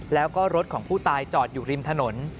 แล้วก็รถของผู้ตายจอดอยู่ริมถนน